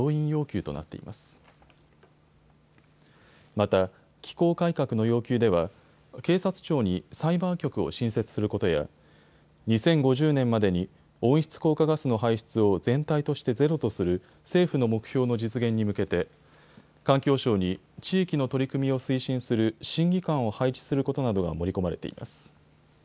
また、機構改革の要求では警察庁にサイバー局を新設することや２０５０年までに温室効果ガスの排出を全体としてゼロとする政府の目標の実現に向けて環境省に地域の取り組みを推進する審議官を配置することなどが盛り込まれています。